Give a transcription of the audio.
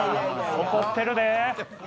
怒ってるで！